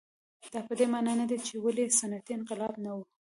دا په دې معنا نه ده چې ولې صنعتي انقلاب نه و.